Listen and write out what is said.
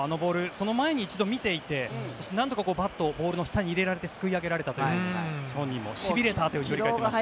その前に一度見ていてそして何とかバットをボールの下に入れられてすくい上げられたと本人もしびれたと振り返っていました。